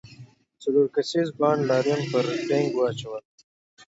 څلور کسیز بانډ لاریون پر دینګ واچوله.